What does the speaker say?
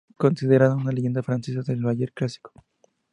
Considerada una leyenda francesa del ballet clásico.